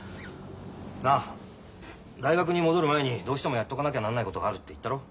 なあ大学に戻る前にどうしてもやっとかなきゃなんないことがあるって言ったろ。